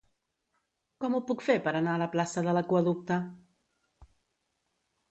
Com ho puc fer per anar a la plaça de l'Aqüeducte?